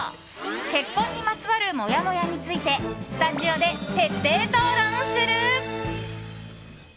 結婚にまつわるモヤモヤについてスタジオで徹底討論する。